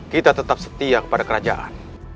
kita tetap setia kepada kerajaan